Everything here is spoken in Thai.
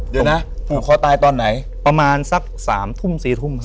เดี๋ยวนะผูกคอตายตอนไหนประมาณสัก๓ทุ่ม๔ทุ่มครับ